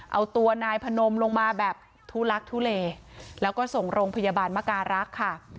เอาตัวนายพนมลงมาแบบทุลักทุเลแล้วก็ส่งโรงพยาบาลมการรักษ์ค่ะ